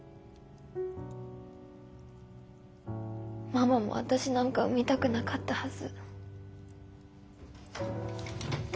ママも私なんか産みたくなかったはず。